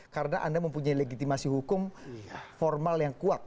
karena anda mempunyai legitimasi hukum formal yang kuat